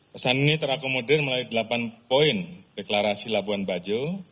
pesan ini terakomodir melalui delapan poin deklarasi labuan bajo